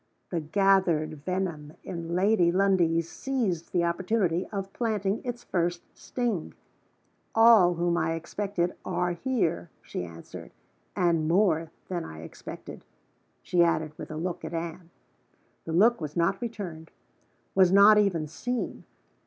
The gathered venom in Lady Lundie seized the opportunity of planting its first sting. "All whom I expected are here," she answered. "And more than I expected," she added, with a look at Anne. The look was not returned was not even seen.